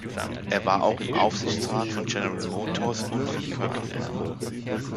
Er war auch im Aufsichtsrat von General Motors und von Perkin Elmer.